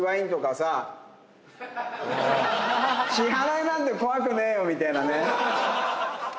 支払いなんて怖くねえよみたいなね。